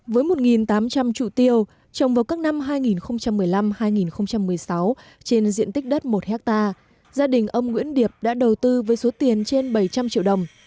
với một tám trăm linh trụ tiêu trồng vào các năm hai nghìn một mươi năm hai nghìn một mươi sáu trên diện tích đất một hectare gia đình ông nguyễn điệp đã đầu tư với số tiền trên bảy trăm linh triệu đồng